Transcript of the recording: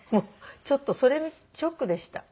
ちょっとそれショックでした。